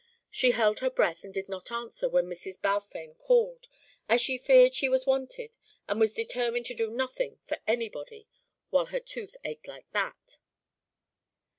She held her breath and did not answer when Mrs. Balfame called, as she feared she was wanted and was determined to do nothing for anybody while her tooth ached like that.